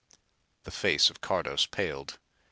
The face of Cardos paled.